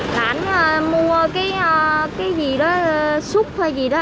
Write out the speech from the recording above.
bốn năm tháng nay là anh mua cái gì đó súp hay gì đó